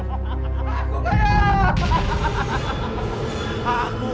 nana istriku bantu aku